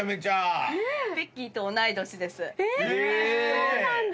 そうなんだ。